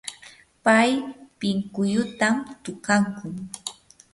pay pinkullutam tukakun.